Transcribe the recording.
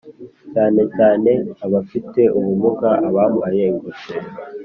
cyane cyane abafite ubumuga Abambaye ingofero